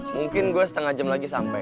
mungkin gue setengah jam lagi sampai